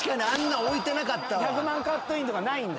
１００万カットインとかないんだ。